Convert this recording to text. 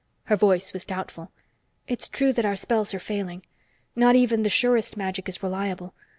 Her voice was doubtful. "It's true that our spells are failing. Not even the surest magic is reliable.